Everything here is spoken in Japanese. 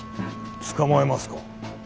捕まえますか？